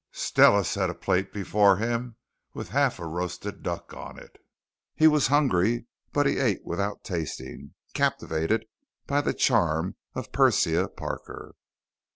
Stella set a plate before him with half a roasted duck on it. He was hungry, but he ate without tasting, captivated by the charm of Persia Parker.